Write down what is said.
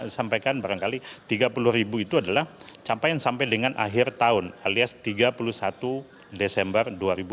sampaikan barangkali tiga puluh itu adalah campain sampai dengan akhir tahun alias tiga puluh satu desember